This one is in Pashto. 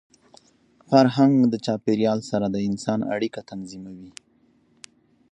فرهنګ د چاپېریال سره د انسان اړیکه تنظیموي.